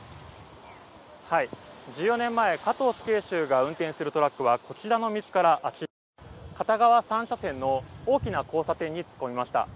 １４年前加藤死刑囚が運転するトラックはこちらの道からあちら、片側３車線の大きな交差点に突っ込みました。